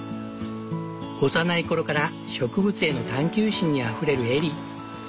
幼い頃から植物への探求心にあふれるエリー。